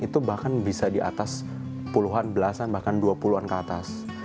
itu bahkan bisa di atas puluhan belasan bahkan dua puluh an ke atas